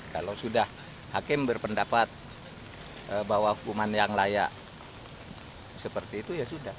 kalau sudah hakim berpendapat bahwa hukuman yang layak seperti itu ya sudah